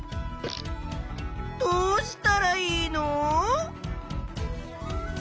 どうしたらいいの？